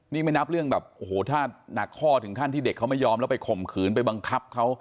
นี่ไม่นับเรื่องแบบโอ้โหถ้าหนักข้อถึงขั้นที่เด็กเขาไม่ยอมแล้วไปข่มขืนไปบังคับเขา